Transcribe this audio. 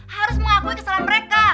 harus mengakui kesalahan mereka